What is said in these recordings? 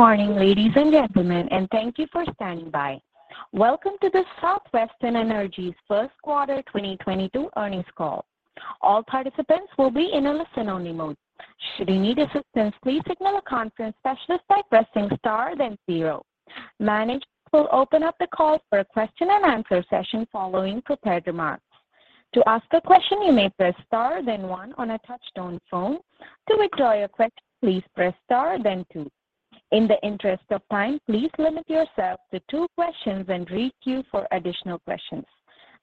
Good morning, ladies and gentlemen, and thank you for standing by. Welcome to Southwestern Energy's first quarter 2022 earnings call. All participants will be in a listen-only mode. Should you need assistance, please signal a conference specialist by pressing Star then zero. Management will open up the call for a question and answer session following prepared remarks. To ask a question, you may press Star then one on a touch-tone phone. To withdraw your question, please press Star then two. In the interest of time, please limit yourself to two questions and queue for additional questions.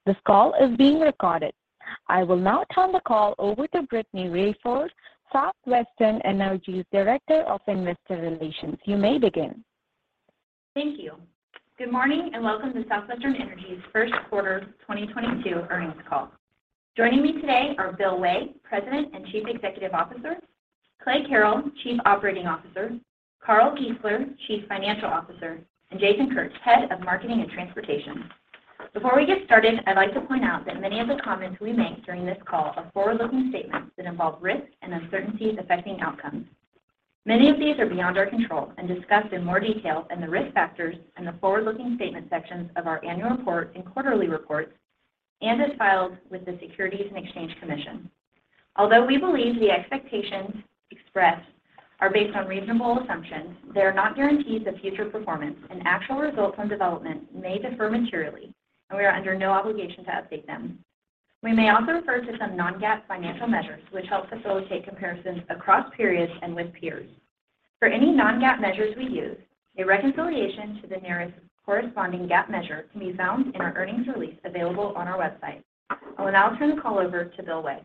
This call is being recorded. I will now turn the call over to Brittany Raiford, Southwestern Energy's Director of Investor Relations. You may begin. Thank you. Good morning and welcome to Southwestern Energy's first quarter 2022 earnings call. Joining me today are Bill Way, President and Chief Executive Officer, Clay Carrell, Chief Operating Officer, Carl Giesler, Chief Financial Officer, and Jason Kurtz, Head of Marketing and Transportation. Before we get started, I'd like to point out that many of the comments we make during this call are forward-looking statements that involve risks and uncertainties affecting outcomes. Many of these are beyond our control and discussed in more detail in the Risk Factors and the forward-looking statement sections of our annual report and quarterly reports, and as filed with the Securities and Exchange Commission. Although we believe the expectations expressed are based on reasonable assumptions, they are not guarantees of future performance, and actual results and developments may differ materially, and we are under no obligation to update them. We may also refer to some non-GAAP financial measures, which help facilitate comparisons across periods and with peers. For any non-GAAP measures we use, a reconciliation to the nearest corresponding GAAP measure can be found in our earnings release available on our website. I will now turn the call over to Bill Way.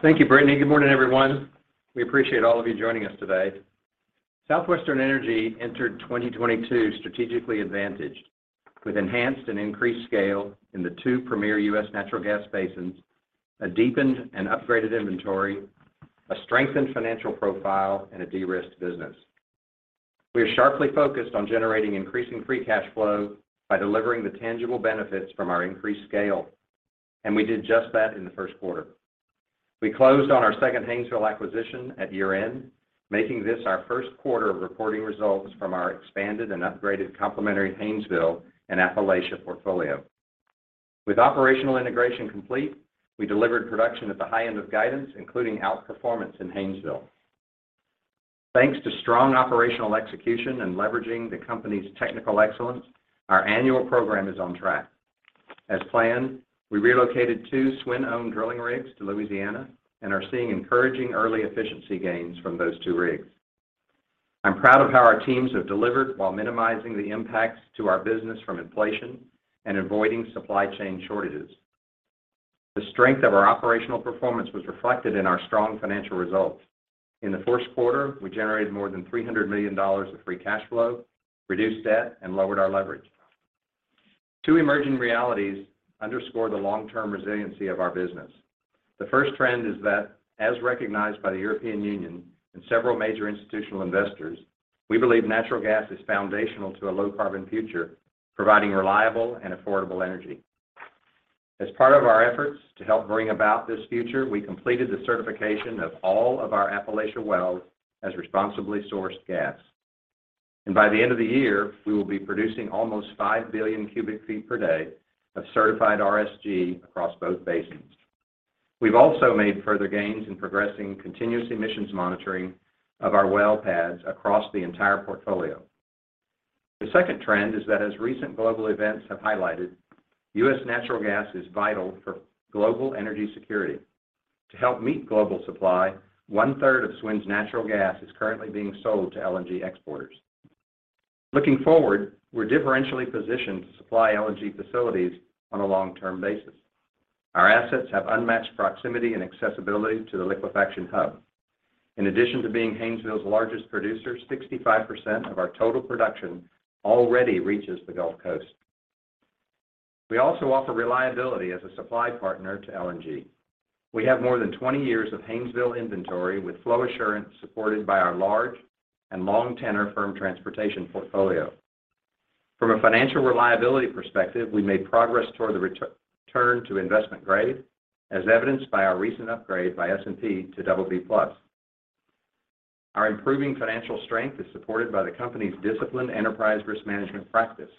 Thank you, Brittany. Good morning, everyone. We appreciate all of you joining us today. Southwestern Energy entered 2022 strategically advantaged with enhanced and increased scale in the two premier U.S. natural gas basins, a deepened and upgraded inventory, a strengthened financial profile, and a de-risked business. We are sharply focused on generating increasing free cash flow by delivering the tangible benefits from our increased scale, and we did just that in the first quarter. We closed on our second Haynesville acquisition at year-end, making this our first quarter of reporting results from our expanded and upgraded complementary Haynesville and Appalachia portfolio. With operational integration complete, we delivered production at the high end of guidance, including outperformance in Haynesville. Thanks to strong operational execution and leveraging the company's technical excellence, our annual program is on track. As planned, we relocated two SWN-owned drilling rigs to Louisiana and are seeing encouraging early efficiency gains from those two rigs. I'm proud of how our teams have delivered while minimizing the impacts to our business from inflation and avoiding supply chain shortages. The strength of our operational performance was reflected in our strong financial results. In the first quarter, we generated more than $300 million of free cash flow, reduced debt, and lowered our leverage. Two emerging realities underscore the long-term resiliency of our business. The first trend is that, as recognized by the European Union and several major institutional investors, we believe natural gas is foundational to a low carbon future, providing reliable and affordable energy. As part of our efforts to help bring about this future, we completed the certification of all of our Appalachia wells as responsibly sourced gas. By the end of the year, we will be producing almost 5 billion cubic feet per day of certified RSG across both basins. We've also made further gains in progressing continuous emissions monitoring of our well pads across the entire portfolio. The second trend is that as recent global events have highlighted, U.S. natural gas is vital for global energy security. To help meet global supply, one-third of SWN's natural gas is currently being sold to LNG exporters. Looking forward, we're differentially positioned to supply LNG facilities on a long-term basis. Our assets have unmatched proximity and accessibility to the liquefaction hub. In addition to being Haynesville's largest producer, 65% of our total production already reaches the Gulf Coast. We also offer reliability as a supply partner to LNG. We have more than 20 years of Haynesville inventory with flow assurance supported by our large and long tenor firm transportation portfolio. From a financial reliability perspective, we made progress toward the return to investment grade, as evidenced by our recent upgrade by S&P to BB+. Our improving financial strength is supported by the company's disciplined enterprise risk management practice.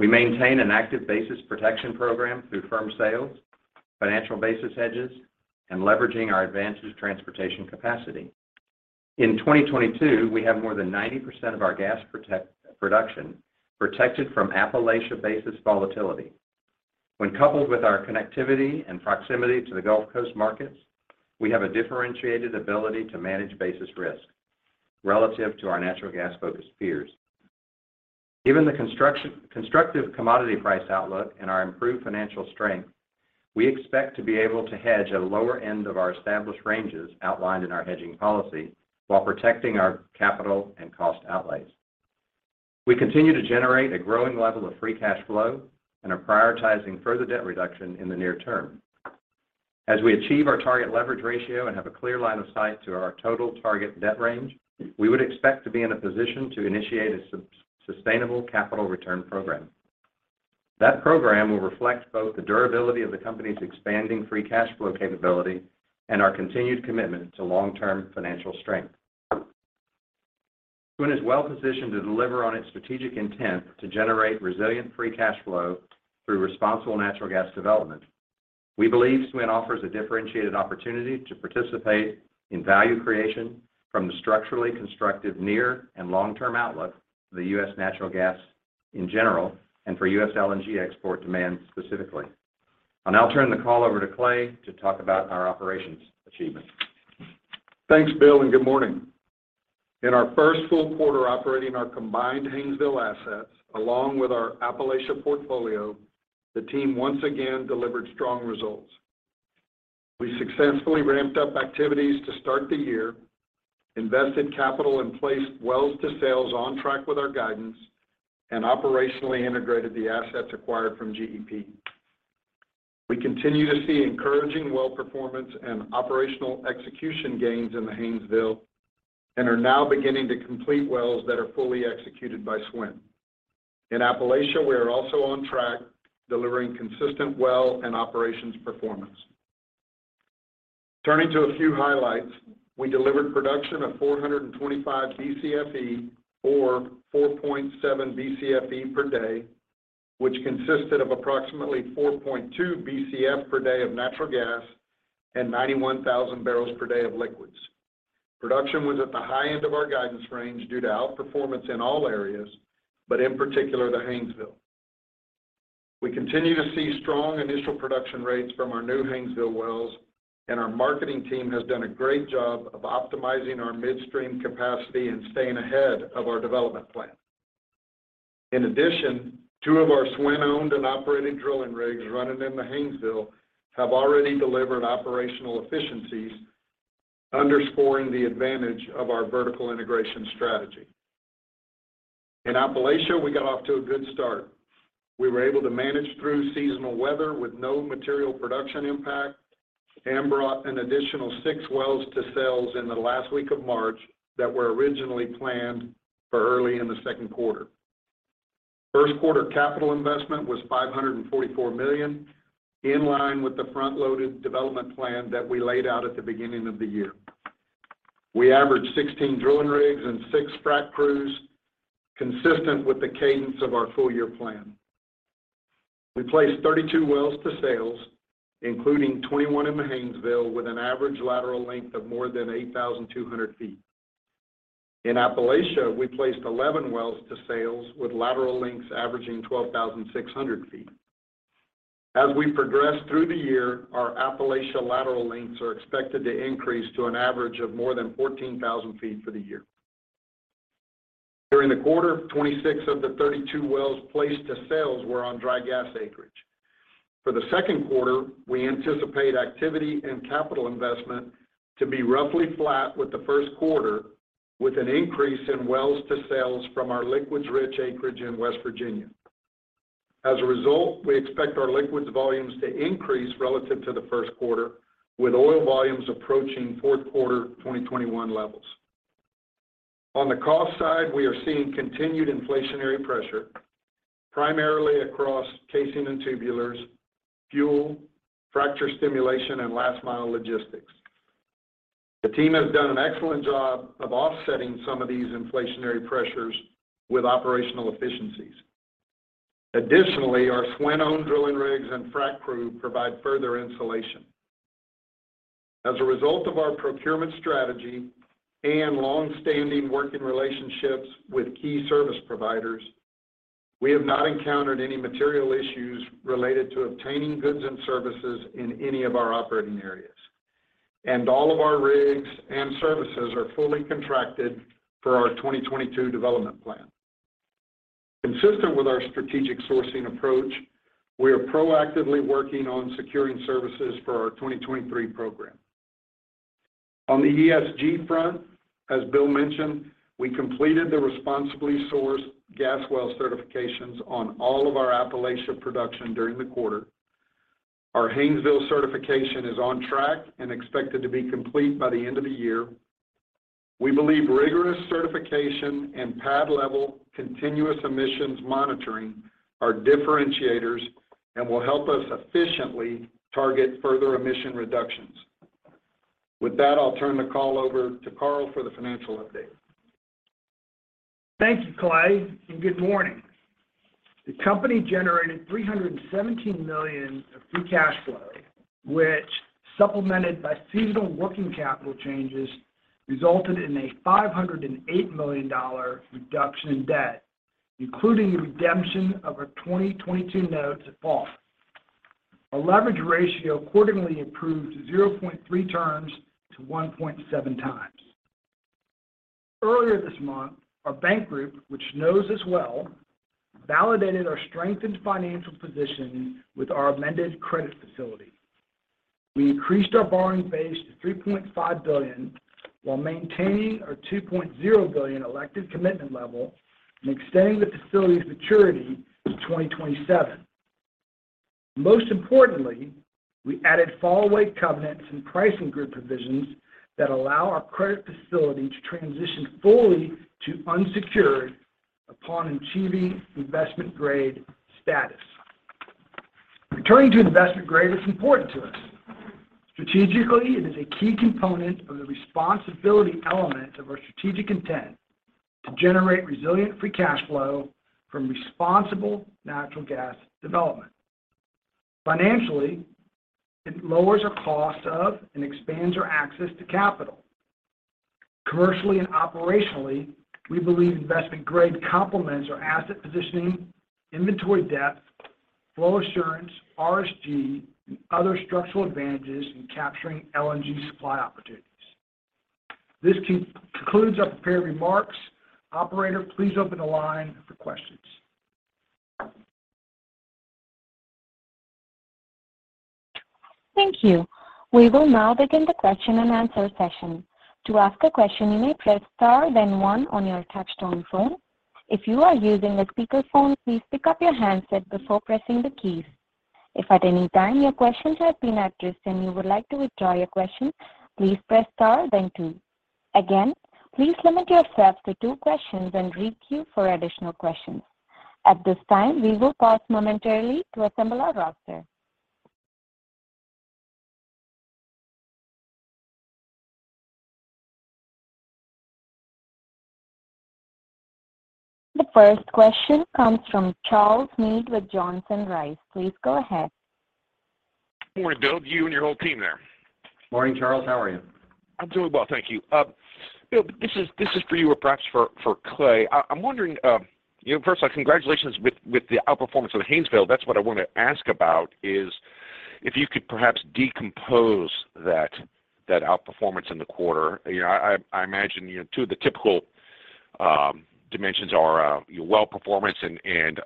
We maintain an active basis protection program through firm sales, financial basis hedges, and leveraging our advanced transportation capacity. In 2022, we have more than 90% of our gas production protected from Appalachia basis volatility. When coupled with our connectivity and proximity to the Gulf Coast markets, we have a differentiated ability to manage basis risk relative to our natural gas-focused peers. Given the constructive commodity price outlook and our improved financial strength, we expect to be able to hedge a lower end of our established ranges outlined in our hedging policy while protecting our capital and cost outlays. We continue to generate a growing level of free cash flow and are prioritizing further debt reduction in the near term. As we achieve our target leverage ratio and have a clear line of sight to our total target debt range, we would expect to be in a position to initiate a sustainable capital return program. That program will reflect both the durability of the company's expanding free cash flow capability and our continued commitment to long-term financial strength. SWN is well-positioned to deliver on its strategic intent to generate resilient free cash flow through responsible natural gas development. We believe SWN offers a differentiated opportunity to participate in value creation from the structurally constructive near and long-term outlook for the U.S. natural gas in general, and for U.S. LNG export demand specifically. I'll now turn the call over to Clay to talk about our operations achievements. Thanks, Bill, and good morning. In our first full quarter operating our combined Haynesville assets, along with our Appalachia portfolio, the team once again delivered strong results. We successfully ramped up activities to start the year, invested capital and placed wells to sales on track with our guidance, and operationally integrated the assets acquired from GEP. We continue to see encouraging well performance and operational execution gains in the Haynesville and are now beginning to complete wells that are fully executed by SWN. In Appalachia, we are also on track delivering consistent well and operations performance. Turning to a few highlights, we delivered production of 425 Bcfe or 4.7 Bcfe per day, which consisted of approximately 4.2 Bcf per day of natural gas and 91,000 barrels per day of liquids. Production was at the high end of our guidance range due to outperformance in all areas, but in particular, the Haynesville. We continue to see strong initial production rates from our new Haynesville wells, and our marketing team has done a great job of optimizing our midstream capacity and staying ahead of our development plan. In addition, two of our SWN-owned and operated drilling rigs running in the Haynesville have already delivered operational efficiencies, underscoring the advantage of our vertical integration strategy. In Appalachia, we got off to a good start. We were able to manage through seasonal weather with no material production impact and brought an additional 6 wells to sales in the last week of March that were originally planned for early in the second quarter. First quarter capital investment was $544 million, in line with the front-loaded development plan that we laid out at the beginning of the year. We averaged 16 drilling rigs and 6 frack crews, consistent with the cadence of our full-year plan. We placed 32 wells to sales, including 21 in the Haynesville, with an average lateral length of more than 8,200 feet. In Appalachia, we placed 11 wells to sales with lateral lengths averaging 12,600 feet. As we progress through the year, our Appalachia lateral lengths are expected to increase to an average of more than 14,000 feet for the year. During the quarter, 26 of the 32 wells placed to sales were on dry gas acreage. For the second quarter, we anticipate activity and capital investment to be roughly flat with the first quarter, with an increase in wells to sales from our liquids-rich acreage in West Virginia. As a result, we expect our liquids volumes to increase relative to the first quarter, with oil volumes approaching fourth quarter 2021 levels. On the cost side, we are seeing continued inflationary pressure, primarily across casing and tubulars, fuel, fracture stimulation, and last-mile logistics. The team has done an excellent job of offsetting some of these inflationary pressures with operational efficiencies. Additionally, our SWN-owned drilling rigs and frack crew provide further insulation. As a result of our procurement strategy and long-standing working relationships with key service providers, we have not encountered any material issues related to obtaining goods and services in any of our operating areas. All of our rigs and services are fully contracted for our 2022 development plan. Consistent with our strategic sourcing approach, we are proactively working on securing services for our 2023 program. On the ESG front, as Bill mentioned, we completed the responsibly sourced gas well certifications on all of our Appalachia production during the quarter. Our Haynesville certification is on track and expected to be complete by the end of the year. We believe rigorous certification and pad-level continuous emissions monitoring are differentiators and will help us efficiently target further emission reductions. With that, I'll turn the call over to Carl for the financial update. Thank you, Clay, and good morning. The company generated $317 million of free cash flow, which, supplemented by seasonal working capital changes, resulted in a $508 million reduction in debt, including the redemption of our 2022 notes at par. Our leverage ratio accordingly improved 0.3 turns to 1.7 times. Earlier this month, our bank group, which knows us well, validated our strengthened financial position with our amended credit facility. We increased our borrowing base to $3.5 billion, while maintaining our $2.0 billion elected commitment level and extending the facility's maturity to 2027. Most importantly, we added fallaway covenants and pricing group provisions that allow our credit facility to transition fully to unsecured upon achieving investment grade status. Returning to investment grade is important to us. Strategically, it is a key component of the responsibility element of our strategic intent to generate resilient free cash flow from responsible natural gas development. Financially, it lowers our costs of and expands our access to capital. Commercially and operationally, we believe investment grade complements our asset positioning, inventory depth, flow assurance, RSG, and other structural advantages in capturing LNG supply opportunities. This concludes our prepared remarks. Operator, please open the line for questions. Thank you. We will now begin the question-and-answer session. To ask a question, you may press star then one on your touch-tone phone. If you are using a speakerphone, please pick up your handset before pressing the keys. If at any time your questions have been addressed and you would like to withdraw your question, please press star then two. Again, please limit yourself to two questions and re-queue for additional questions. At this time, we will pause momentarily to assemble our roster. The first question comes from Charles Meade with Johnson Rice. Please go ahead. Good morning, Bill, to you and your whole team there. Morning, Charles, how are you? I'm doing well, thank you. Bill, this is for you or perhaps for Clay. I'm wondering, you know, first of all, congratulations with the outperformance of the Haynesville. That's what I want to ask about is if you could perhaps decompose that outperformance in the quarter. You know, I imagine, you know, two of the typical dimensions are your well performance and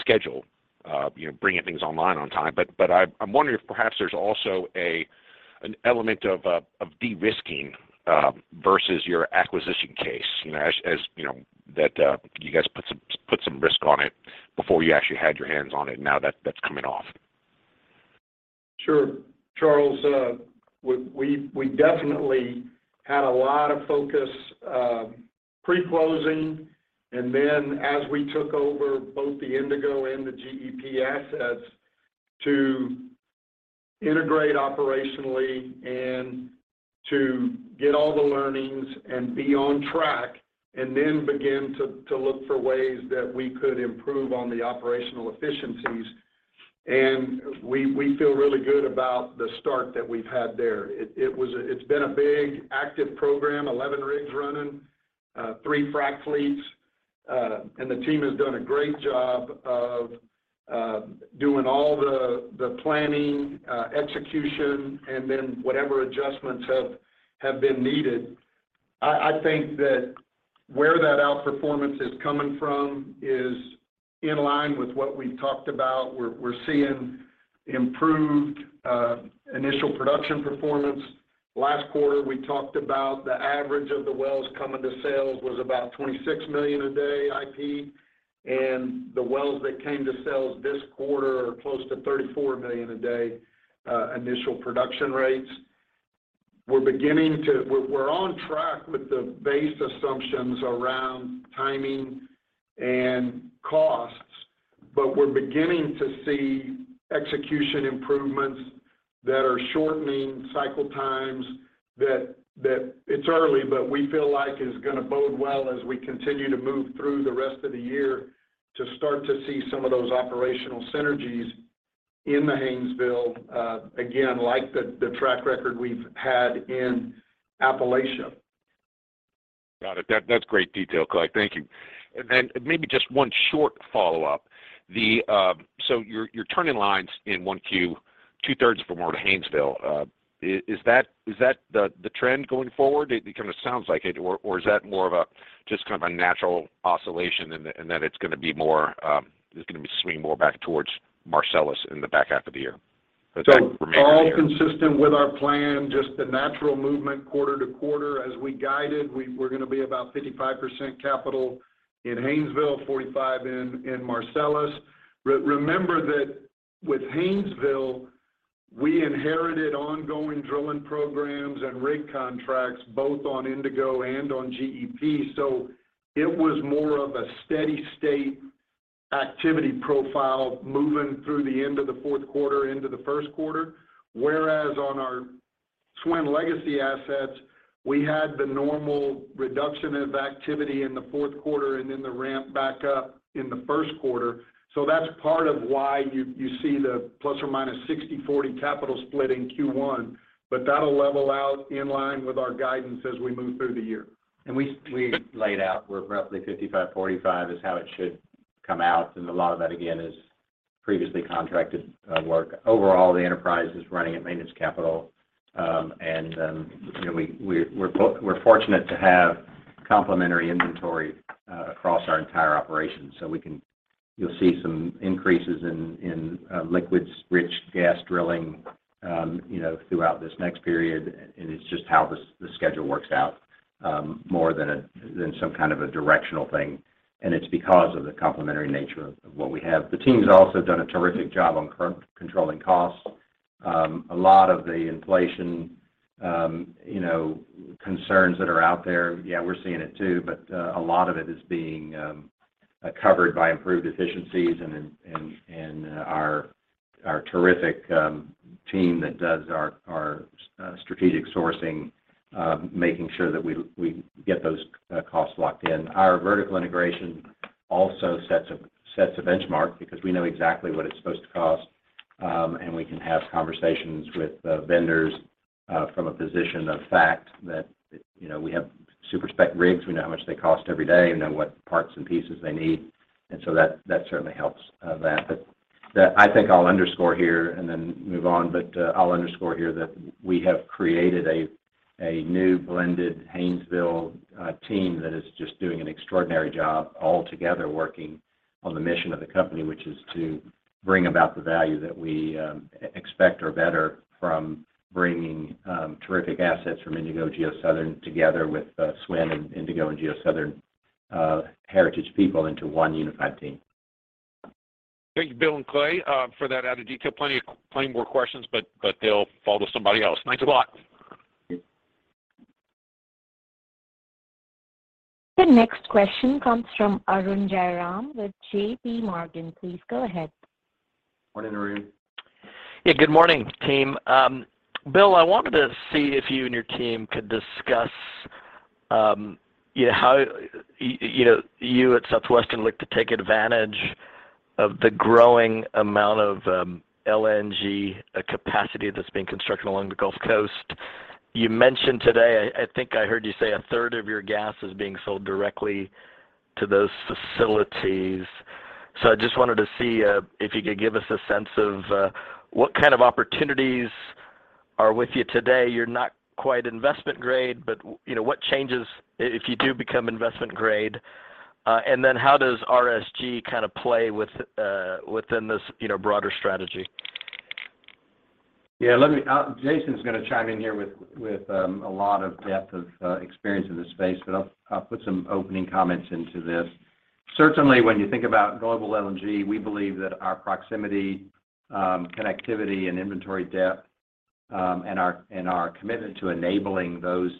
schedule, you know, bringing things online on time. I'm wondering if perhaps there's also an element of de-risking versus your acquisition case. You know, as you know, that you guys put some risk on it before you actually had your hands on it, now that's coming off. Sure. Charles, we definitely had a lot of focus pre-closing, and then as we took over both the Indigo and the GEP assets to integrate operationally and to get all the learnings and be on track, and then begin to look for ways that we could improve on the operational efficiencies. We feel really good about the start that we've had there. It's been a big active program, 11 rigs running, three frack fleets, and the team has done a great job of doing all the planning, execution, and then whatever adjustments have been needed. I think that where that outperformance is coming from is in line with what we talked about. We're seeing improved initial production performance. Last quarter, we talked about the average of the wells coming to sales was about 26 million a day IP, and the wells that came to sales this quarter are close to 34 million a day initial production rates. We're on track with the base assumptions around timing and costs, but we're beginning to see execution improvements that are shortening cycle times. It's early, but we feel like it's gonna bode well as we continue to move through the rest of the year to start to see some of those operational synergies in the Haynesville, again, like the track record we've had in Appalachia. Got it. That's great detail, Clay. Thank you. Then maybe just one short follow-up. So you're turning lines in 1Q two-thirds of them are to Haynesville. Is that the trend going forward? It kinda sounds like it. Or is that more of a just kind of a natural oscillation and then it's gonna be swinging more back towards Marcellus in the back half of the year? All consistent with our plan, just the natural movement quarter to quarter as we guided. We're gonna be about 55% capital in Haynesville, 45% in Marcellus. Remember that with Haynesville, we inherited ongoing drilling programs and rig contracts both on Indigo and on GEP, so it was more of a steady state activity profile moving through the end of the fourth quarter into the first quarter. Whereas on our SWN legacy assets, we had the normal reduction of activity in the fourth quarter and then the ramp back up in the first quarter. That's part of why you see the plus or minus 60/40 capital split in Q1, but that'll level out in line with our guidance as we move through the year. We laid out we're roughly 55/45 is how it should come out, and a lot of that again is previously contracted work. Overall, the enterprise is running at maintenance capital, and you know, we're fortunate to have complementary inventory across our entire operation. So we can, you'll see some increases in liquids-rich gas drilling, you know, throughout this next period, and it's just how the schedule works out. More than some kind of a directional thing, and it's because of the complementary nature of what we have. The team's also done a terrific job on controlling costs. A lot of the inflation, you know, concerns that are out there, yeah, we're seeing it too, but a lot of it is being covered by improved efficiencies and our terrific team that does our strategic sourcing, making sure that we get those costs locked in. Our vertical integration also sets a benchmark because we know exactly what it's supposed to cost, and we can have conversations with the vendors from a position of fact that, you know, we have super-spec rigs. We know how much they cost every day. We know what parts and pieces they need, and so that certainly helps that. I think I'll underscore here and then move on. I'll underscore here that we have created a new blended Haynesville team that is just doing an extraordinary job all together working on the mission of the company, which is to bring about the value that we expect or better from bringing terrific assets from Indigo, GeoSouthern together with SWN and Indigo and GeoSouthern heritage people into one unified team. Thank you, Bill and Clay, for that added detail. Plenty more questions, but they'll fall to somebody else. Thanks a lot. Thank you. The next question comes from Arun Jayaram with J.P. Morgan. Please go ahead. Morning, Arun. Yeah. Good morning, team. Bill, I wanted to see if you and your team could discuss, you know, how you know, you at Southwestern look to take advantage of the growing amount of LNG capacity that's being constructed along the Gulf Coast. You mentioned today, I think I heard you say a third of your gas is being sold directly to those facilities. I just wanted to see if you could give us a sense of what kind of opportunities are with you today. You're not quite investment grade, but, you know, what changes if you do become investment grade? And then how does RSG kind of play within this, you know, broader strategy? Jason's gonna chime in here with a lot of depth of experience in this space, but I'll put some opening comments into this. Certainly, when you think about global LNG, we believe that our proximity, connectivity and inventory depth, and our commitment to enabling those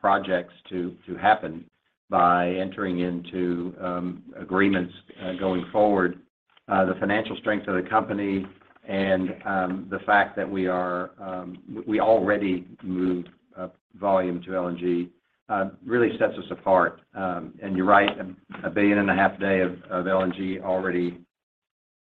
projects to happen by entering into agreements going forward. The financial strength of the company and the fact that we already move volume to LNG really sets us apart. You're right, 1.5 billion a day of LNG already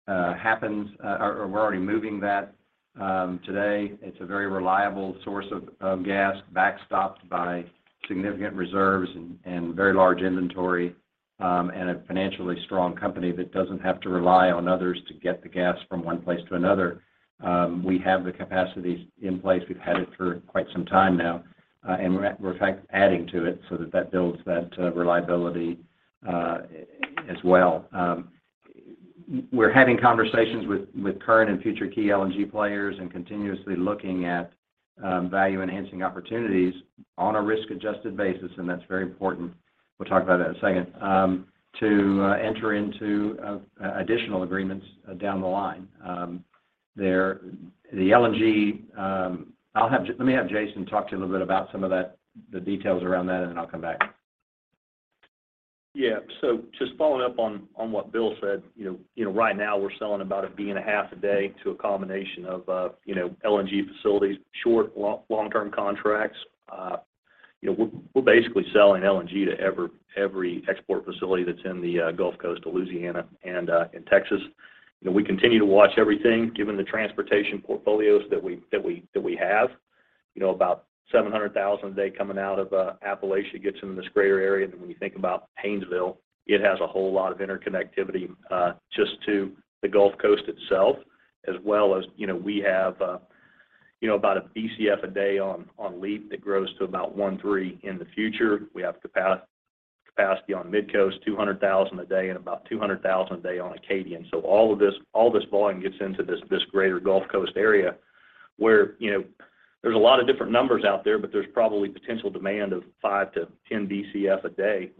happens. We're already moving that today. It's a very reliable source of gas backstopped by significant reserves and very large inventory, and a financially strong company that doesn't have to rely on others to get the gas from one place to another. We have the capacities in place. We've had it for quite some time now, and we're in fact adding to it so that builds that reliability as well. We're having conversations with current and future key LNG players and continuously looking at value-enhancing opportunities on a risk-adjusted basis, and that's very important. We'll talk about that in a second, to enter into additional agreements down the line. The LNG, I'll have Jason talk to you a little bit about some of that, the details around that, and then I'll come back. Yeah. Just following up on what Bill said, you know, right now we're selling about 1.5 billion a day to a combination of LNG facilities, short, long-term contracts. You know, we're basically selling LNG to every export facility that's in the Gulf Coast of Louisiana and in Texas. You know, we continue to watch everything given the transportation portfolios that we have. You know, about 700,000 a day coming out of Appalachia gets into this greater area. When you think about Haynesville, it has a whole lot of interconnectivity just to the Gulf Coast itself, as well as, you know, we have about a Bcf a day on LEAP that grows to about 1.3 in the future. We have capacity on Midcoast, 200,000 a day and about 200,000 a day on Acadian. All of this volume gets into this greater Gulf Coast area where, you know, there's a lot of different numbers out there, but there's probably potential demand of five to ten Bcf a day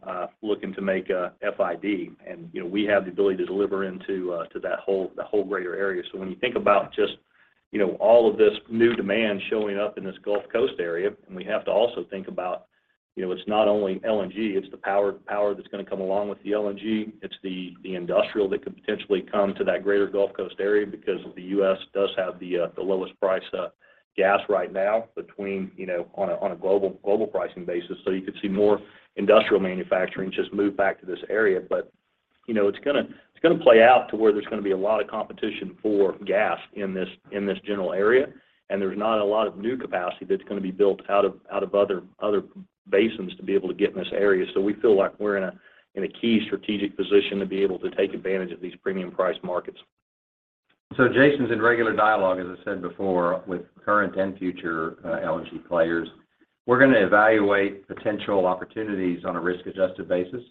looking to make FID. We have the ability to deliver into to that whole greater area. When you think about just, you know, all of this new demand showing up in this Gulf Coast area, and we have to also think about, you know, it's not only LNG, it's the power that's gonna come along with the LNG. It's the industrial that could potentially come to that greater Gulf Coast area because the U.S. does have the lowest-priced gas right now between on a global pricing basis. You could see more industrial manufacturing just move back to this area. It’s gonna play out to where there's gonna be a lot of competition for gas in this general area, and there's not a lot of new capacity that's gonna be built out of other basins to be able to get in this area. We feel like we're in a key strategic position to be able to take advantage of these premium-priced markets. Jason's in regular dialogue, as I said before, with current and future LNG players. We're gonna evaluate potential opportunities on a risk adjusted basis.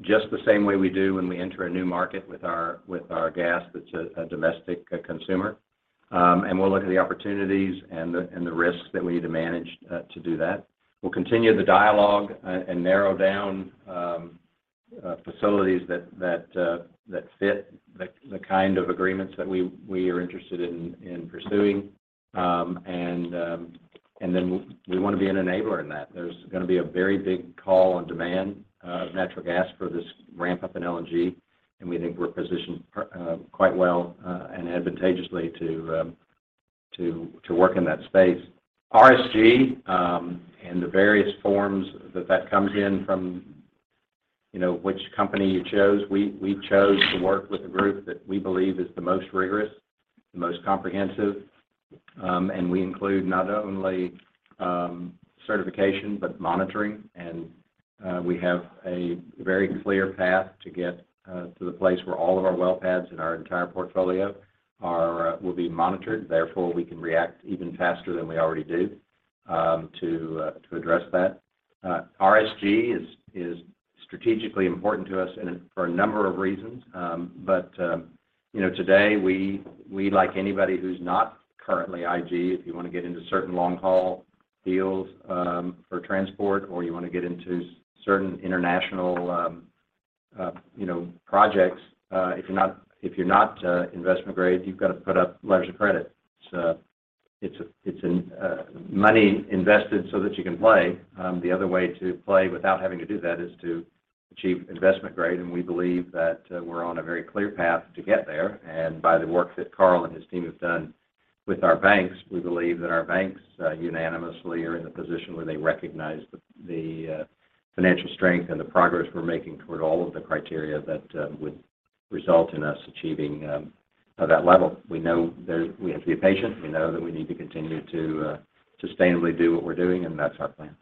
Just the same way we do when we enter a new market with our gas that's a domestic consumer. We'll look at the opportunities and the risks that we need to manage to do that. We'll continue the dialogue and narrow down facilities that fit the kind of agreements that we are interested in pursuing. We want to be an enabler in that. There's gonna be a very big call on demand of natural gas for this ramp up in LNG, and we think we're positioned quite well and advantageously to work in that space. RSG and the various forms that comes in from, you know, which company you chose, we chose to work with a group that we believe is the most rigorous, the most comprehensive, and we include not only certification, but monitoring. We have a very clear path to get to the place where all of our well pads in our entire portfolio will be monitored. Therefore, we can react even faster than we already do to address that. RSG is strategically important to us for a number of reasons. You know, today we like anybody who's not currently IG. If you want to get into certain long-haul deals for transport or you want to get into certain international you know projects, if you're not investment grade, you've got to put up letters of credit. It's money invested so that you can play. The other way to play without having to do that is to achieve investment grade, and we believe that we're on a very clear path to get there. By the work that Carl and his team have done with our banks, we believe that our banks unanimously are in the position where they recognize the financial strength and the progress we're making toward all of the criteria that would result in us achieving that level. We know we have to be patient. We know that we need to continue to sustainably do what we're doing, and that's our plan.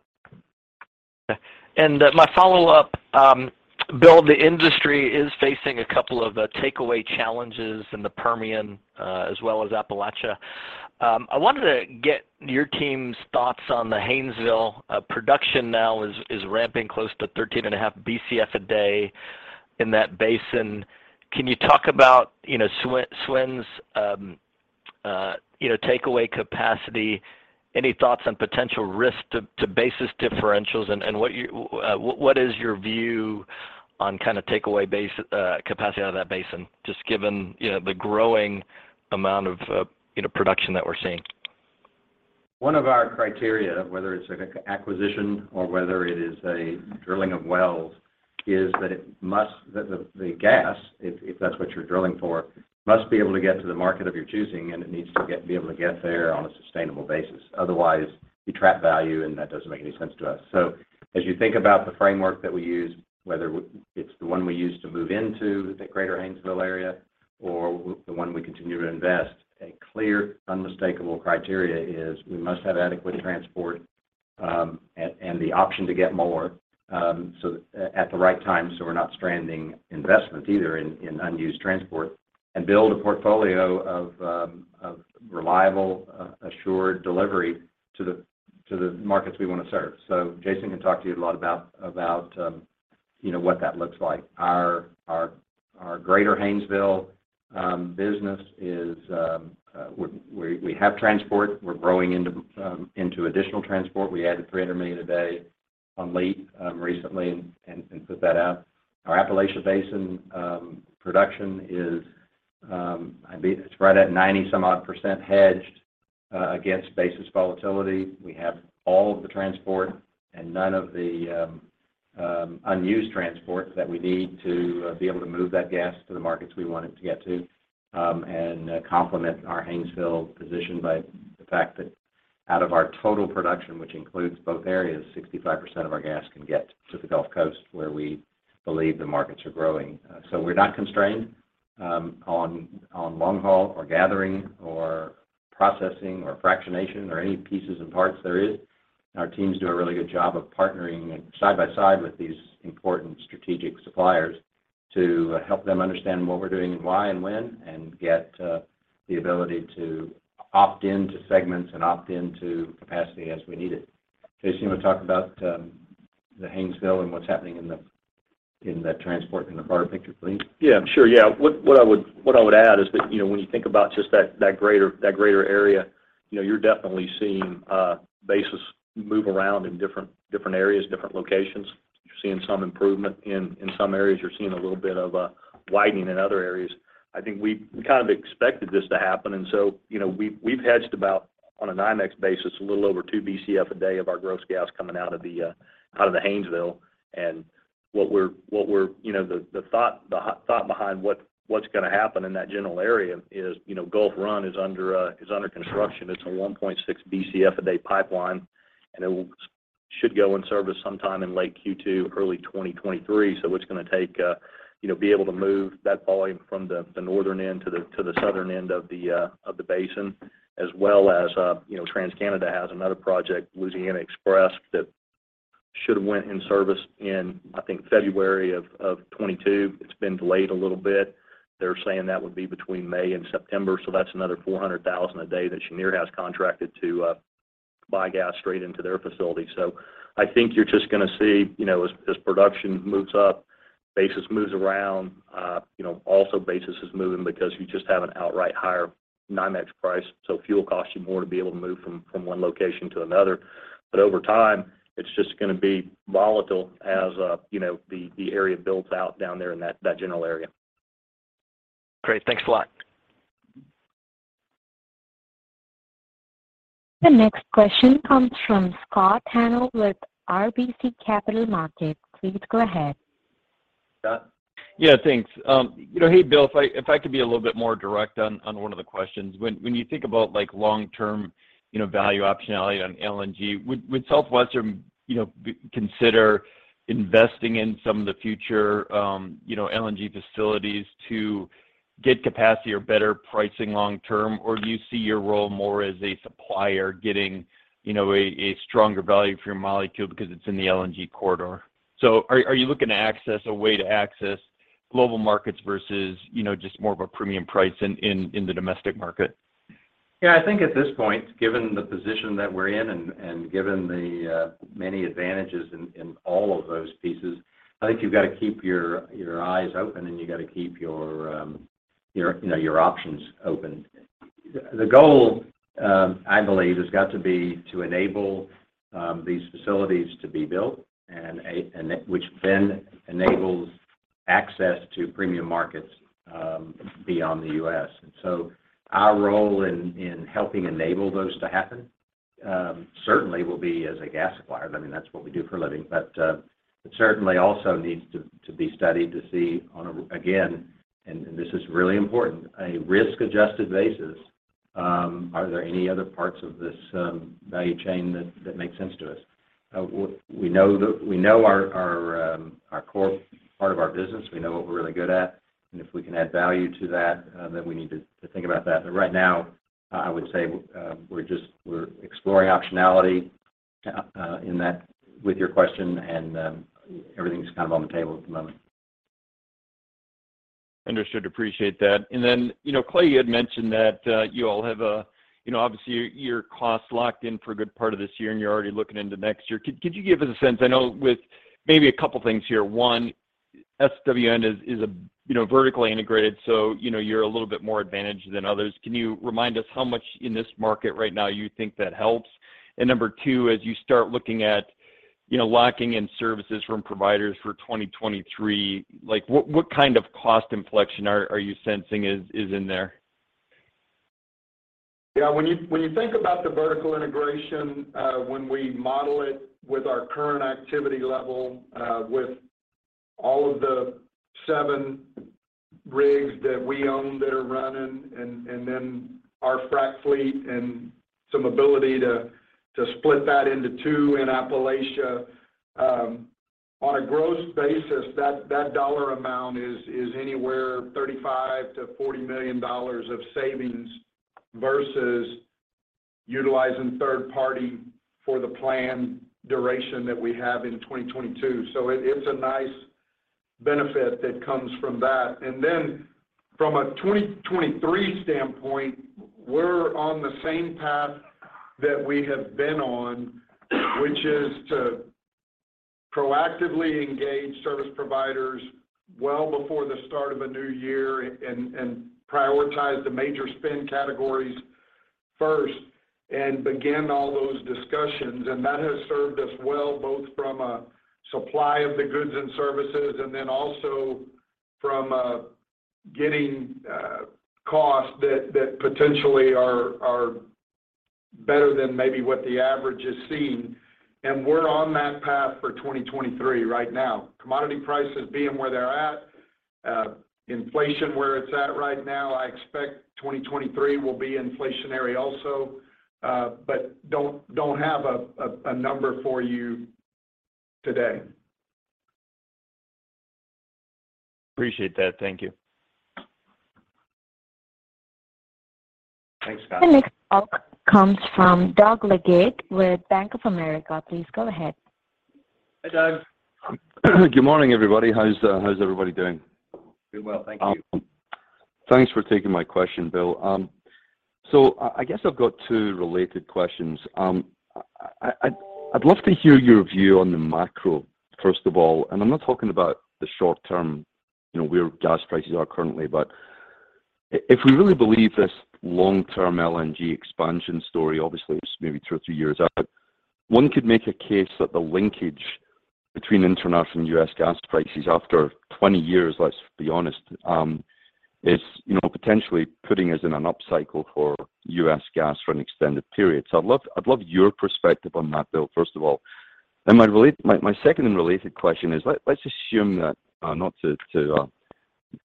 My follow-up, Bill, the industry is facing a couple of takeaway challenges in the Permian, as well as Appalachia. I wanted to get your team's thoughts on the Haynesville. Production now is ramping close to 13.5 Bcf a day in that basin. Can you talk about, you know, SWN's takeaway capacity? Any thoughts on potential risk to basis differentials? What is your view on kind of takeaway capacity out of that basin, just given, you know, the growing amount of, you know, production that we're seeing? One of our criteria, whether it's an acquisition or whether it is a drilling of wells, is that the gas, if that's what you're drilling for, must be able to get to the market of your choosing, and it needs to be able to get there on a sustainable basis. Otherwise, you trap value, and that doesn't make any sense to us. As you think about the framework that we use, whether it's the one we use to move into the greater Haynesville area or the one we continue to invest, a clear, unmistakable criteria is we must have adequate transport, and the option to get more, so that. At the right time, we're not stranding investments either in unused transport, and build a portfolio of reliable, assured delivery to the markets we want to serve. Jason can talk to you a lot about, you know, what that looks like. Our greater Haynesville business is we have transport. We're growing into additional transport. We added 300 million a day on LEAP recently and put that out. Our Appalachia Basin production is, I believe it's right at 90-some odd percent hedged against basis volatility. We have all of the transport and none of the unused transport that we need to be able to move that gas to the markets we want it to get to. It complements our Haynesville position by the fact that out of our total production, which includes both areas, 65% of our gas can get to the Gulf Coast, where we believe the markets are growing. We're not constrained on long haul, or gathering, or processing, or fractionation, or any pieces and parts there is. Our teams do a really good job of partnering side by side with these important strategic suppliers to help them understand what we're doing and why and when, and get the ability to opt into segments and opt into capacity as we need it. Jason, you want to talk about the Haynesville and what's happening in that transport in the broader picture, please? Yeah. Sure, yeah. What I would add is that, you know, when you think about just that greater area, you know, you're definitely seeing basis move around in different areas, different locations. You're seeing some improvement in some areas. You're seeing a little bit of a widening in other areas. I think we kind of expected this to happen. You know, we've hedged about, on a NYMEX basis, a little over two Bcf a day of our gross gas coming out of the Haynesville. You know, the thought behind what's gonna happen in that general area is, you know, Gulf Run is under construction. It's a 1.6 Bcf a day pipeline, and it should go in service sometime in late Q2, early 2023. It's gonna take you know, be able to move that volume from the northern end to the southern end of the basin, as well as you know, TransCanada has another project, Louisiana XPress, that should have went in service in, I think, February of 2022. It's been delayed a little bit. They're saying that would be between May and September. That's another 400,000 a day that Cheniere has contracted to. Buy gas straight into their facility. I think you're just gonna see, you know, as production moves up, basis moves around, you know, also basis is moving because you just have an outright higher NYMEX price. Fuel costs you more to be able to move from one location to another. Over time, it's just gonna be volatile as, you know, the area builds out down there in that general area. Great. Thanks a lot. The next question comes from Scott Hanold with RBC Capital Markets. Please go ahead. Yeah, thanks. You know, hey, Bill, if I could be a little bit more direct on one of the questions. When you think about like long-term, you know, value optionality on LNG, would Southwestern, you know, consider investing in some of the future, you know, LNG facilities to get capacity or better pricing long term, or do you see your role more as a supplier getting, you know, a stronger value for your molecule because it's in the LNG corridor? Are you looking to access a way to access global markets versus, you know, just more of a premium price in the domestic market? Yeah. I think at this point, given the position that we're in and given the many advantages in all of those pieces, I think you've got to keep your eyes open, and you got to keep your you know your options open. The goal, I believe, has got to be to enable these facilities to be built and which then enables access to premium markets beyond the U.S. Our role in helping enable those to happen certainly will be as a gas supplier. I mean, that's what we do for a living. It certainly also needs to be studied to see on a risk-adjusted basis, again, and this is really important, are there any other parts of this value chain that make sense to us? We know our core part of our business. We know what we're really good at. If we can add value to that, then we need to think about that. Right now, I would say, we're just exploring optionality in that with your question, and everything's kind of on the table at the moment. Understood. Appreciate that. Then, you know, Clay, you had mentioned that you all have a, you know, obviously your costs locked in for a good part of this year, and you're already looking into next year. Could you give us a sense? I know with maybe a couple things here. One, SWN is, you know, vertically integrated, so, you know, you're a little bit more advantaged than others. Can you remind us how much in this market right now you think that helps? Number two, as you start looking at, you know, locking in services from providers for 2023, like what kind of cost inflection are you sensing is in there? Yeah. When you think about the vertical integration, when we model it with our current activity level, with all of the seven rigs that we own that are running and then our frack fleet and some ability to split that into two in Appalachia, on a gross basis, that dollar amount is anywhere $35 million-$40 million of savings versus utilizing third party for the planned duration that we have in 2022. It’s a nice benefit that comes from that. From a 2023 standpoint, we're on the same path that we have been on, which is to proactively engage service providers well before the start of a new year and prioritize the major spend categories first and begin all those discussions. That has served us well, both from a supply of the goods and services, and then also from getting costs that potentially are better than maybe what the average is seeing. We're on that path for 2023 right now. Commodity prices being where they're at, inflation where it's at right now, I expect 2023 will be inflationary also, but don't have a number for you today. Appreciate that. Thank you. Thanks, Scott. The next call comes from Doug Leggate with Bank of America. Please go ahead. Hi, Doug. Good morning, everybody. How's everybody doing? Doing well. Thank you. Thanks for taking my question, Bill. So I guess I've got two related questions. I'd love to hear your view on the macro, first of all, and I'm not talking about the short term, you know, where gas prices are currently. But if we really believe this long-term LNG expansion story, obviously it's maybe two or three years out, one could make a case that the linkage between international and US gas prices after 20 years, let's be honest, is, you know, potentially putting us in an upcycle for US gas for an extended period. So I'd love your perspective on that, Bill, first of all. Then my second and related question is, let's assume that, not to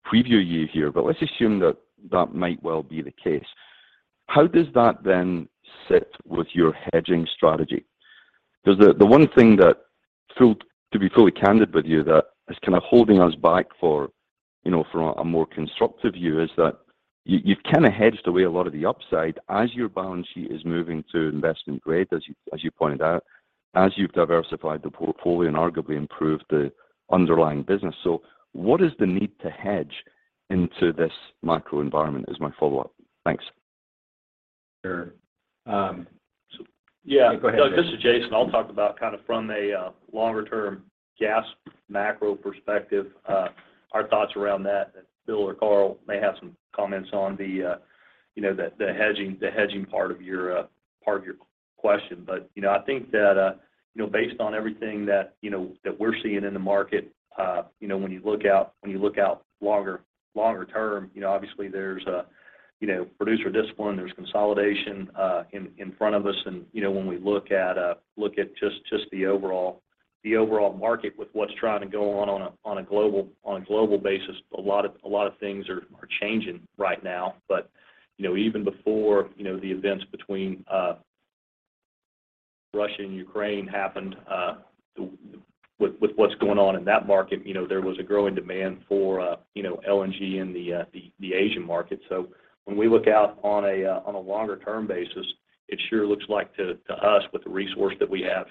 preview you here, but let's assume that that might well be the case. How does that then sit with your hedging strategy? Because the one thing that, to be fully candid with you, that is kind of holding us back, you know, for a more constructive view is that you've kind of hedged away a lot of the upside as your balance sheet is moving to investment grade, as you, as you pointed out, as you've diversified the portfolio and arguably improved the underlying business. What is the need to hedge into this macro environment is my follow-up. Thanks. Sure. Yeah. Yeah. Go ahead, Jason. This is Jason. I'll talk about kind of from a longer term gas macro perspective, our thoughts around that, and Bill or Carl may have some comments on the, you know, the hedging part of your part of your question. You know, I think that, you know, based on everything that, you know, that we're seeing in the market, you know, when you look out longer term, you know, obviously there's a, you know, producer discipline, there's consolidation in front of us. You know, when we look at just the overall market with what's trying to go on on a global basis, a lot of things are changing right now. You know, even before the events between Russia and Ukraine happened, with what's going on in that market, you know, there was a growing demand for LNG in the Asian market. When we look out on a longer term basis, it sure looks like to us with the resource that we have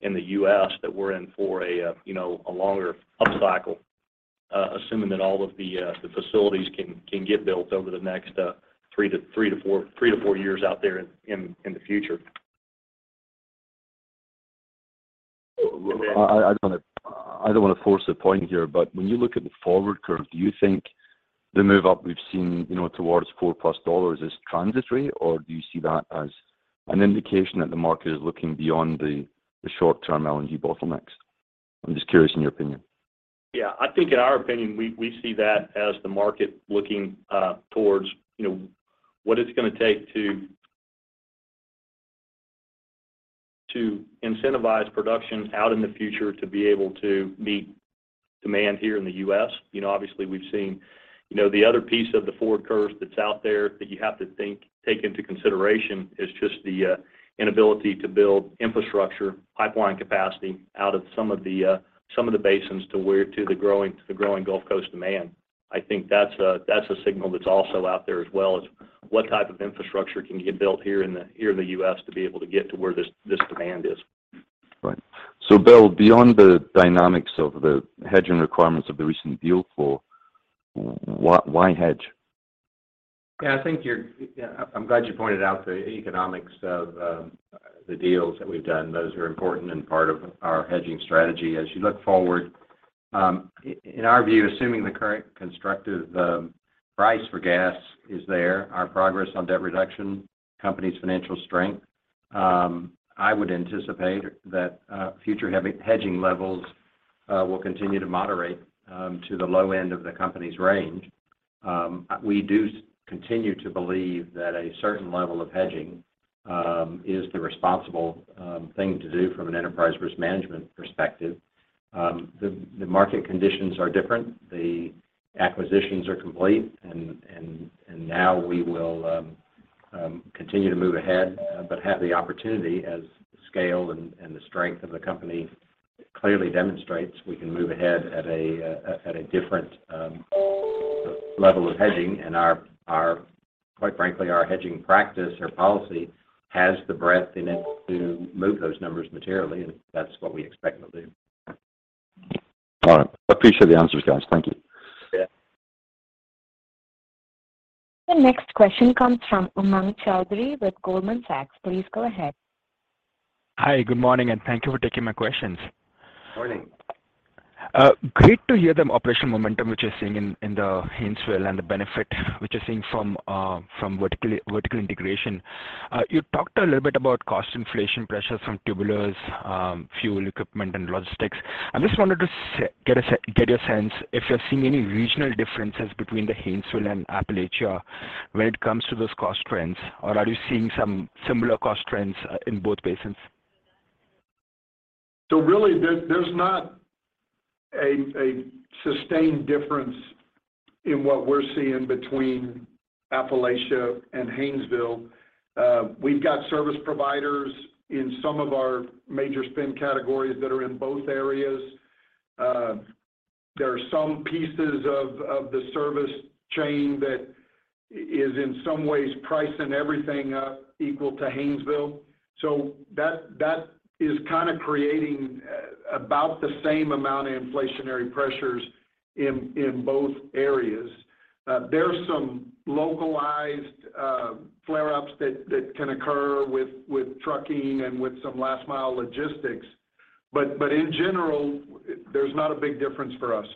here in the U.S. that we're in for a longer upcycle, assuming that all of the facilities can get built over the next three to four years out there in the future. Well, I don't wanna force a point here, but when you look at the forward curve, do you think the move up we've seen, you know, towards $4+, is transitory, or do you see that as an indication that the market is looking beyond the short term LNG bottlenecks? I'm just curious in your opinion. Yeah. I think in our opinion, we see that as the market looking towards, you know, what it's gonna take to incentivize productions out in the future to be able to meet demand here in the US. You know, obviously we've seen. You know, the other piece of the forward curve that's out there that you have to take into consideration is just the inability to build infrastructure pipeline capacity out of some of the basins to the growing Gulf Coast demand. I think that's a signal that's also out there as well is what type of infrastructure can get built here in the US to be able to get to where this demand is. Right. Bill, beyond the dynamics of the hedging requirements of the recent deal flow, why hedge? Yeah, I'm glad you pointed out the economics of the deals that we've done. Those are important and part of our hedging strategy. As you look forward, in our view, assuming the current constructive price for gas is there, our progress on debt reduction, company's financial strength, I would anticipate that future hedging levels will continue to moderate to the low end of the company's range. We do continue to believe that a certain level of hedging is the responsible thing to do from an enterprise risk management perspective. The market conditions are different. The acquisitions are complete, and now we will continue to move ahead, but have the opportunity as the scale and the strength of the company clearly demonstrates we can move ahead at a different level of hedging. Quite frankly, our hedging practice or policy has the breadth in it to move those numbers materially, and that's what we expect to do. All right. I appreciate the answers, guys. Thank you. Yeah. The next question comes from Umang Choudhary with Goldman Sachs. Please go ahead. Hi, good morning, and thank you for taking my questions. Morning. Great to hear the operational momentum which you're seeing in the Haynesville and the benefit which you're seeing from vertical integration. You talked a little bit about cost inflation pressures from tubulars, fuel, equipment, and logistics. I just wanted to get your sense if you're seeing any regional differences between the Haynesville and Appalachia when it comes to those cost trends, or are you seeing some similar cost trends in both basins? Really, there's not a sustained difference in what we're seeing between Appalachia and Haynesville. We've got service providers in some of our major spend categories that are in both areas. There are some pieces of the service chain that is in some ways pricing everything up equal to Haynesville. That is kind of creating about the same amount of inflationary pressures in both areas. There's some localized flareups that can occur with trucking and with some last mile logistics, but in general, there's not a big difference for us.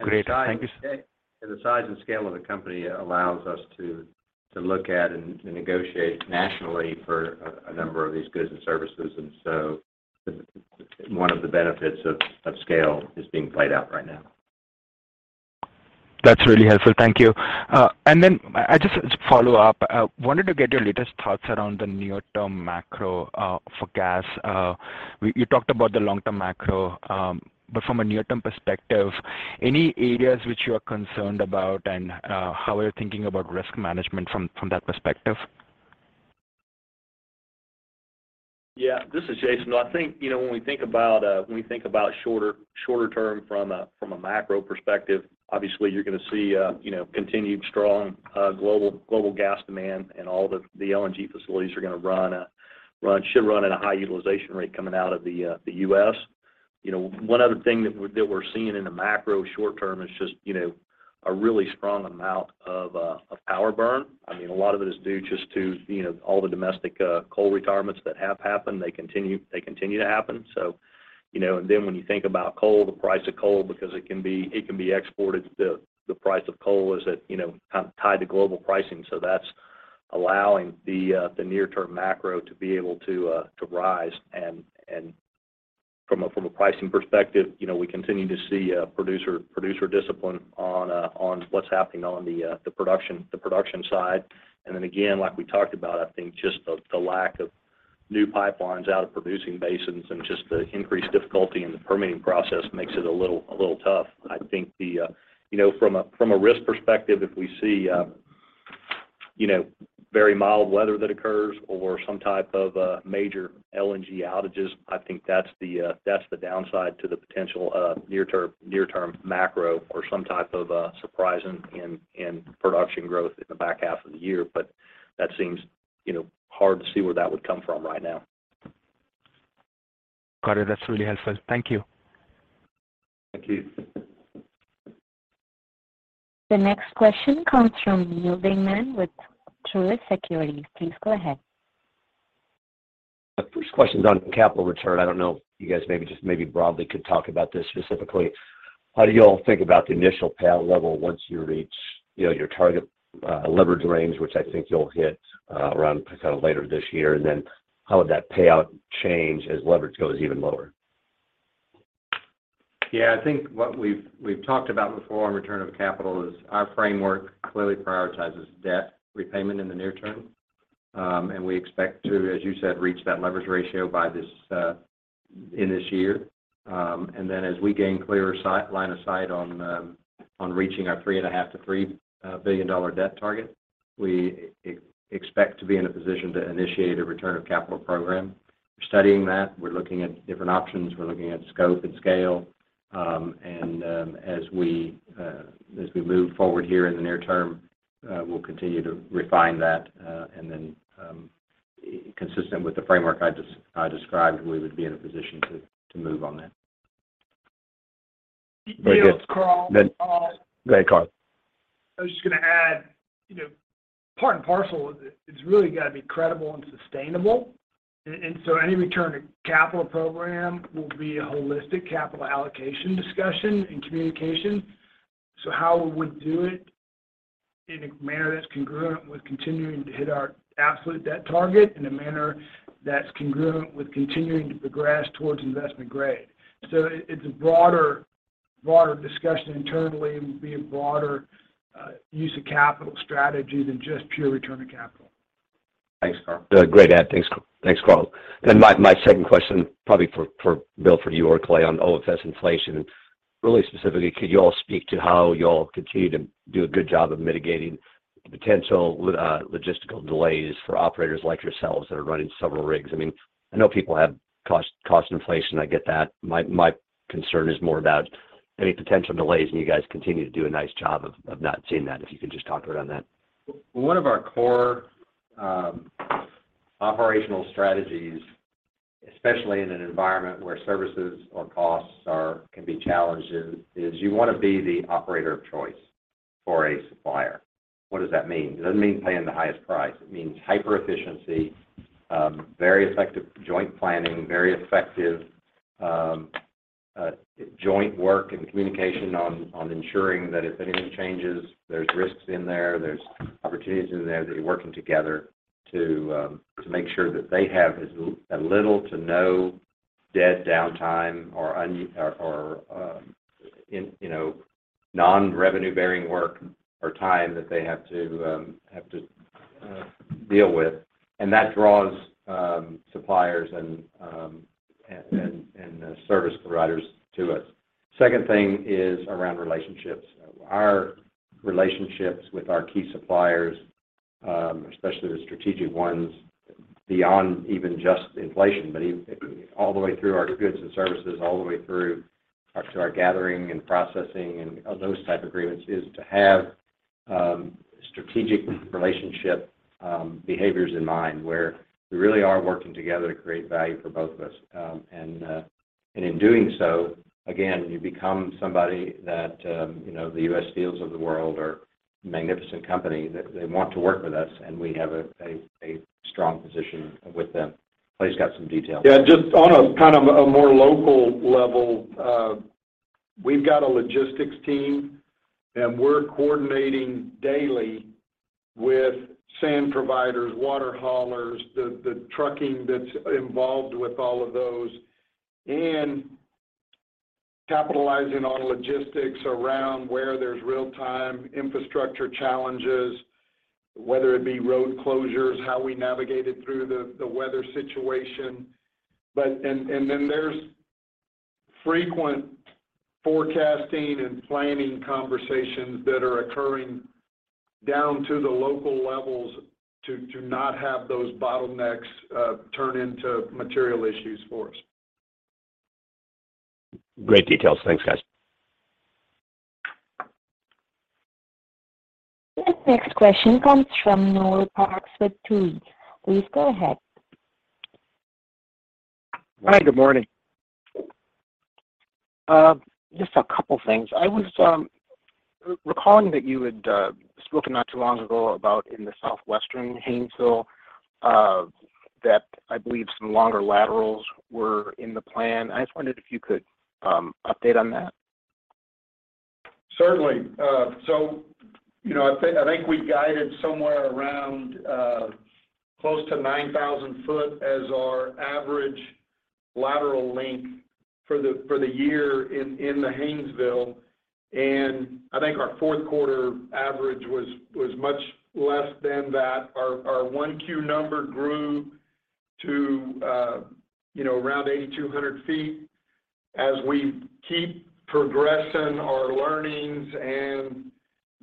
Great. Thank you, sir. The size and scale of the company allows us to look at and negotiate nationally for a number of these goods and services. One of the benefits of scale is being played out right now. That's really helpful. Thank you. Wanted to get your latest thoughts around the near term macro for gas. You talked about the long term macro, but from a near term perspective, any areas which you are concerned about and how are you thinking about risk management from that perspective? Yeah. This is Jason. I think, you know, when we think about shorter term from a macro perspective, obviously you're gonna see, you know, continued strong global gas demand and all the LNG facilities should run at a high utilization rate coming out of the U.S. You know, one other thing that we're seeing in the macro short term is just, you know, a really strong amount of power burn. I mean, a lot of it is due just to, you know, all the domestic coal retirements that have happened. They continue to happen. When you think about coal, the price of coal, because it can be exported, the price of coal is tied to global pricing. That's allowing the near-term macro to rise. From a pricing perspective, you know, we continue to see producer discipline on what's happening on the production side. Then again, like we talked about, I think just the lack of new pipelines out of producing basins and just the increased difficulty in the permitting process makes it a little tough. I think you know, from a risk perspective, if we see you know, very mild weather that occurs or some type of major LNG outages, I think that's the downside to the potential near-term macro or some type of surprise in production growth in the back half of the year. That seems, you know, hard to see where that would come from right now. Got it. That's really helpful. Thank you. Thank you. The next question comes from Neal Dingmann with Truist Securities. Please go ahead. First question is on capital return. I don't know if you guys maybe broadly could talk about this specifically. How do you all think about the initial payout level once you reach, you know, your target leverage range, which I think you'll hit around kind of later this year? How would that payout change as leverage goes even lower? Yeah. I think what we've talked about before on return of capital is our framework clearly prioritizes debt repayment in the near term. We expect to, as you said, reach that leverage ratio by this year. As we gain clearer line of sight on reaching our $3.5-$3 billion debt target, we expect to be in a position to initiate a return of capital program. We're studying that. We're looking at different options. We're looking at scope and scale. As we move forward here in the near term, we'll continue to refine that. Consistent with the framework I described, we would be in a position to move on that. Bill, it's Carl. Go ahead, Carl. I was just gonna add, you know, part and parcel is it's really got to be credible and sustainable. Any return to capital program will be a holistic capital allocation discussion and communication. How we would do it in a manner that's congruent with continuing to hit our absolute debt target in a manner that's congruent with continuing to progress towards investment grade. It's a broader discussion internally and would be a broader use of capital strategy than just pure return of capital. Thanks, Carl. Great add. My second question probably for Bill, for you or Clay on OFS inflation. Really specifically, could you all speak to how you all continue to do a good job of mitigating potential logistical delays for operators like yourselves that are running several rigs? I mean, I know people have cost inflation. I get that. My concern is more about any potential delays, and you guys continue to do a nice job of not seeing that. If you can just talk a bit on that. One of our core operational strategies, especially in an environment where services or costs can be challenged is you want to be the operator of choice for a supplier. What does that mean? It doesn't mean paying the highest price. It means hyper-efficiency, very effective joint planning, very effective joint work and communication on ensuring that if anything changes, there's risks in there's opportunities in there to be working together to make sure that they have as little to no dead downtime or in, you know, non-revenue bearing work or time that they have to deal with. That draws suppliers and service providers to us. Second thing is around relationships. Our relationships with our key suppliers, especially the strategic ones, beyond even just inflation, but all the way through our goods and services, all the way through our, to our gathering and processing and those type agreements, is to have strategic relationship behaviors in mind where we really are working together to create value for both of us. In doing so, again, you become somebody that, you know, the U.S. Steels of the world or magnificent companies, they want to work with us, and we have a strong position with them. Clay's got some details. Yeah, just on a kind of a more local level, we've got a logistics team, and we're coordinating daily with sand providers, water haulers, the trucking that's involved with all of those, and capitalizing on logistics around where there's real-time infrastructure challenges, whether it be road closures, how we navigate it through the weather situation. Frequent forecasting and planning conversations are occurring down to the local levels to not have those bottlenecks turn into material issues for us. Great details. Thanks, guys. The next question comes from Noel Parks with Tuohy Brothers. Please go ahead. Hi, good morning. Just a couple things. I was recalling that you had spoken not too long ago about in the Southwestern Haynesville, that I believe some longer laterals were in the plan. I just wondered if you could update on that. Certainly. You know, I think we guided somewhere around close to 9,000 feet as our average lateral length for the year in the Haynesville. I think our fourth quarter average was much less than that. Our 1Q number grew to, you know, around 8,200 feet. As we keep progressing our learnings and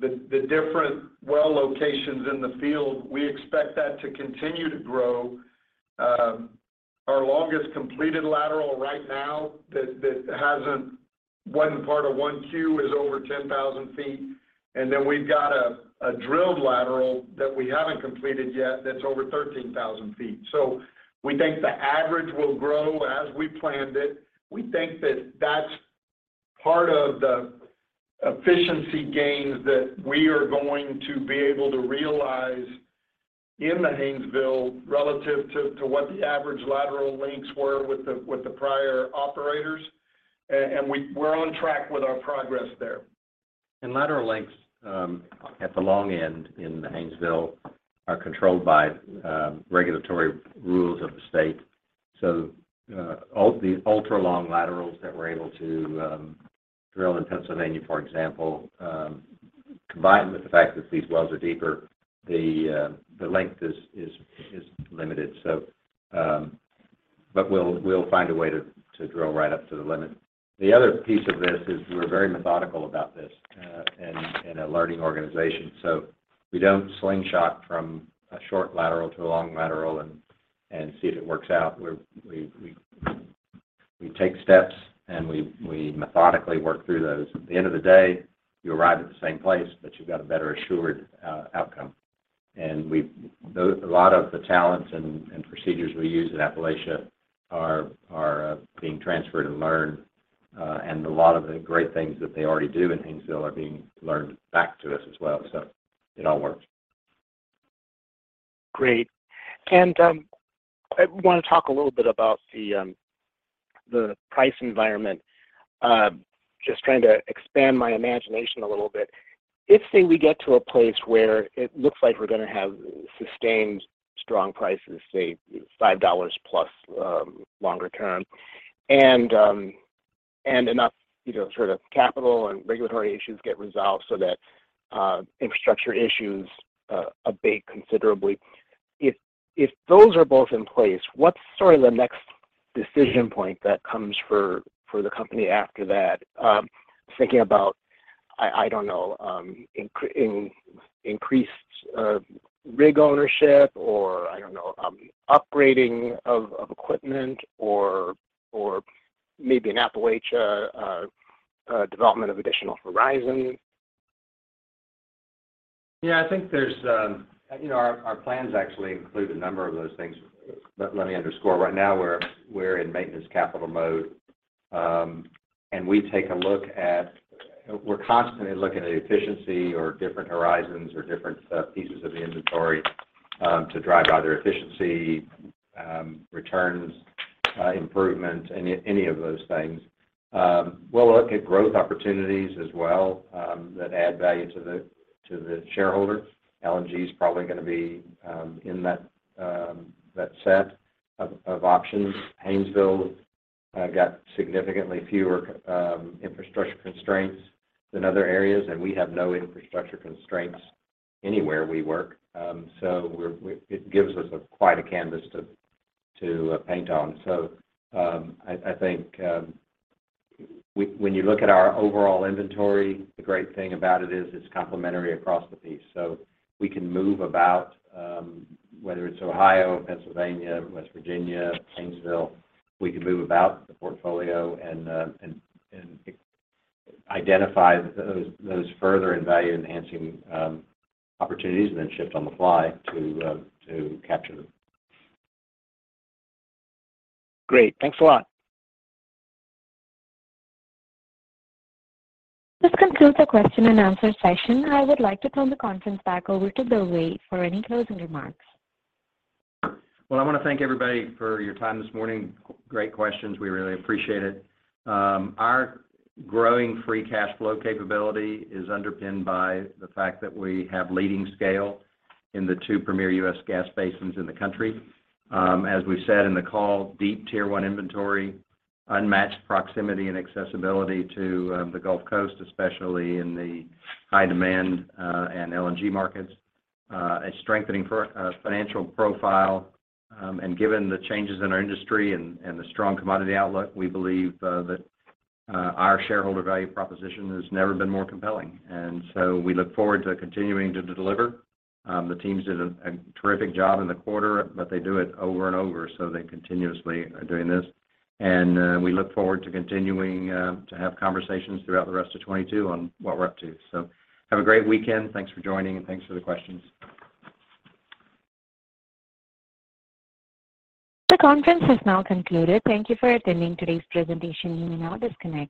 the different well locations in the field, we expect that to continue to grow. Our longest completed lateral right now that wasn't part of 1Q is over 10,000 feet. We've got a drilled lateral that we haven't completed yet that's over 13,000 feet. We think the average will grow as we planned it. We think that that's part of the efficiency gains that we are going to be able to realize in the Haynesville relative to what the average lateral lengths were with the prior operators. We're on track with our progress there. Lateral lengths at the long end in the Haynesville are controlled by regulatory rules of the state. These ultra-long laterals that we're able to drill in Pennsylvania, for example, combined with the fact that these wells are deeper, the length is limited. We'll find a way to drill right up to the limit. The other piece of this is we're very methodical about this in a learning organization. We don't slingshot from a short lateral to a long lateral and see if it works out. We take steps, and we methodically work through those. At the end of the day, you arrive at the same place, but you've got a better assured outcome. Though a lot of the talents and procedures we use in Appalachia are being transferred and learned, and a lot of the great things that they already do in Haynesville are being learned back to us as well. So it all works. Great. I want to talk a little bit about the price environment. Just trying to expand my imagination a little bit. If, say, we get to a place where it looks like we're gonna have sustained strong prices, say $5+, longer term, and enough, you know, sort of capital and regulatory issues get resolved so that infrastructure issues abate considerably. If those are both in place, what's sort of the next decision point that comes for the company after that? Thinking about, I don't know, increased rig ownership or, I don't know, upgrading of equipment or maybe in Appalachia a development of additional horizon. Yeah, I think there's our plans actually include a number of those things. Let me underscore. Right now we're in maintenance capital mode. We're constantly looking at efficiency or different horizons or different pieces of the inventory to drive either efficiency returns improvement any of those things. We'll look at growth opportunities as well that add value to the shareholder. LNG is probably gonna be in that set of options. Haynesville got significantly fewer infrastructure constraints than other areas, and we have no infrastructure constraints anywhere we work. It gives us quite a canvas to paint on. When you look at our overall inventory, the great thing about it is it's complementary across the piece. We can move about whether it's Ohio, Pennsylvania, West Virginia, Haynesville, we can move about the portfolio and identify those further in value-enhancing opportunities and then shift on the fly to capture them. Great. Thanks a lot. This concludes the question and answer session. I would like to turn the conference back over to Bill Way for any closing remarks. Well, I wanna thank everybody for your time this morning. Great questions. We really appreciate it. Our growing free cash flow capability is underpinned by the fact that we have leading scale in the two premier U.S. gas basins in the country. As we said in the call, deep tier one inventory, unmatched proximity and accessibility to the Gulf Coast, especially in the high demand and LNG markets, a strengthening financial profile, and given the changes in our industry and the strong commodity outlook, we believe that our shareholder value proposition has never been more compelling. We look forward to continuing to deliver. The teams did a terrific job in the quarter, but they do it over and over, so they continuously are doing this. We look forward to continuing to have conversations throughout the rest of 2022 on what we're up to. Have a great weekend. Thanks for joining, and thanks for the questions. The conference is now concluded. Thank you for attending today's presentation. You may now disconnect.